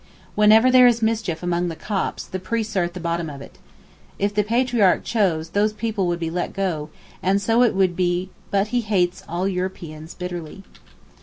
Whenever there is mischief among the Copts, the priests are at the bottom of it. If the Patriarch chose those people would be let go; and so it would be but he hates all Europeans bitterly.